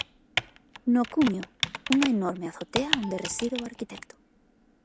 No cumio unha enorme azotea onde reside o arquitecto.